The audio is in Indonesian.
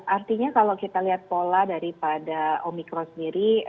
artinya kalau kita lihat pola daripada omikron sendiri